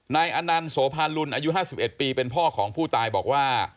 อนันต์โสภาลุนอายุ๕๑ปีเป็นพ่อของผู้ตายบอกว่า